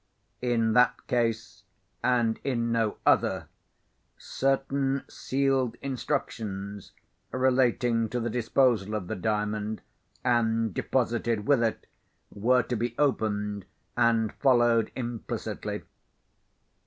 In that case, and in no other, certain sealed instructions relating to the disposal of the Diamond, and deposited with it, were to be opened, and followed implicitly.